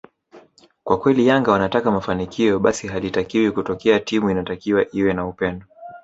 kama kweli Yanga wanataka mafanikio basi halitakiwi kutokea timu inatakiwa iwe na upendo